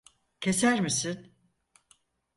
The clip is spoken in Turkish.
Keser misin?